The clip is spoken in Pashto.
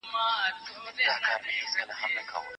الوتکه په خوځیدو پیل وکړ.